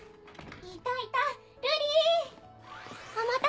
・いたいた。